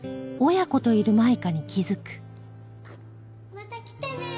また来てね！